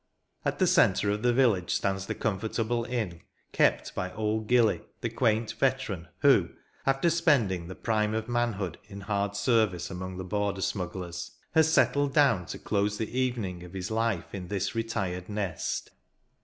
At the centre of the village stands the comfortable inn, kept by " Old Gilly," the quaint veteran who, after spending the prime of manhood in hard service among the border smugglers, has settled down to close the evening of his life in this retired nest.